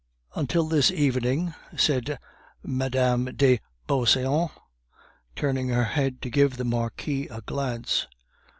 "Until this evening," said Mme. de Beauseant, turning her head to give the Marquis a glance.